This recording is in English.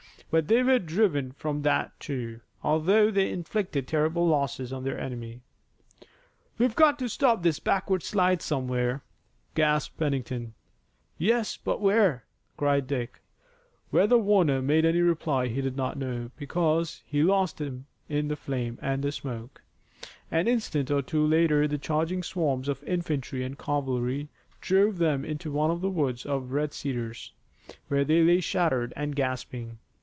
But they were driven from that, too, although they inflicted terrible losses on their enemy. "We've got to stop this backward slide somewhere," gasped Pennington. "Yes, but where?" cried Dick. Whether Warner made any reply he did not know, because he lost him then in the flame and the smoke. An instant or two later the charging swarms of infantry and cavalry drove them into one of the woods of red cedars, where they lay shattered and gasping.